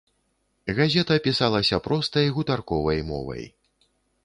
Газета пісалася простай гутарковай мовай.